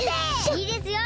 いいですよ